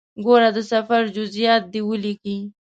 ګوره د سفر جزئیات دې ولیکې.